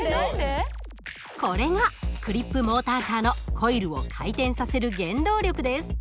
これがクリップモーターカーのコイルを回転させる原動力です。